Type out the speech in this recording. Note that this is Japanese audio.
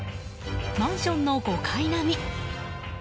マンションの５階並み。